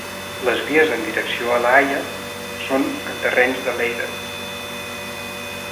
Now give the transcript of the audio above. Les vies en direcció a La Haia són en terrenys de Leiden.